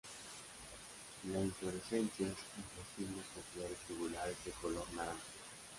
La inflorescencias en racimos con flores tubulares de color naranja.